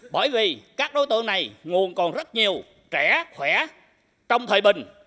bởi vì các đối tượng này nguồn còn rất nhiều trẻ khỏe trong thời bình